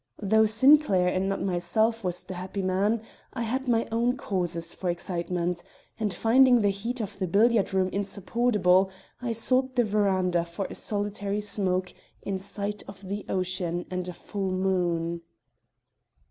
Though Sinclair, and not myself, was the happy man, I had my own causes for excitement, and, finding the heat of the billiard room insupportable, I sought the veranda for a solitary smoke in sight of the ocean and a full moon.